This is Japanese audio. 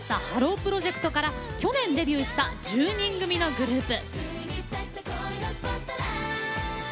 プロジェクトから去年デビューした１０人組のグループ。